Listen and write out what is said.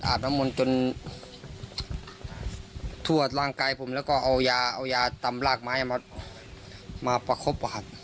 น้ำมนต์จนทั่วร่างกายผมแล้วก็เอายาเอายาตำรากไม้มาประคบ